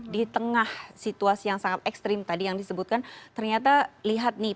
di tengah situasi yang sangat ekstrim tadi yang disebutkan ternyata lihat nih